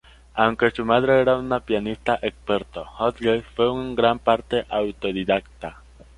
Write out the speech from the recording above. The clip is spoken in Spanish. Aunque su madre era una pianista experto, Hodges fue en gran parte autodidacta.